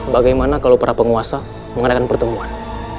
bagaimana kalau para penguasa mengadakan pertemuan